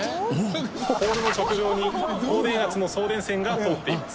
ポールの直上に高電圧の送電線が通っています。